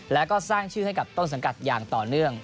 แล้วก็สร้างชื่อให้กับต้นสังกัดอย่างต่อเนื่อง